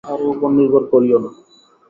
কাহারও উপর নির্ভর করিও না।